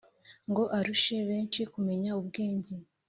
ngo arushe abenshi kumenya ubwenge